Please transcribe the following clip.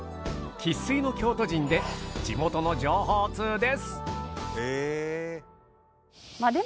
生っ粋の京都人で地元の情報ツウです。